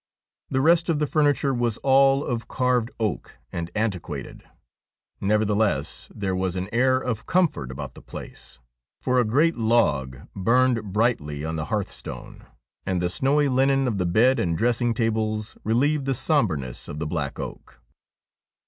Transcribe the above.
The rest of the furniture was all of carved oak and antiquated ; nevertheless there was an air of comfort about the place, for a great log burned brightly on the hearth stone, and the snowy linen of the bed and dressing tables relieved the sombreness of the black oak.